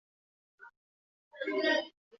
汉顺帝下诏免去所有罪罚。